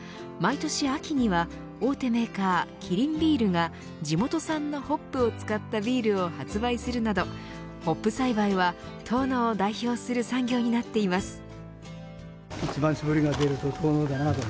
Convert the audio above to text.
毎年秋には大手メーカー、キリンビールが地元産のホップを使ったビールを発売するなどホップ栽培は遠野を代表する産業になっています。